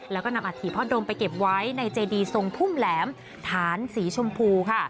แล้วก็นำอาถิพ่อดมไปเก็บไว้ในเจดีทรงทุ่มแหลมฐานสีชมพูค่ะ